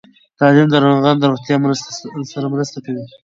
تعلیم د ناروغانو د روغتیا سره مرسته کوي.